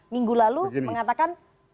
minggu lalu mengatakan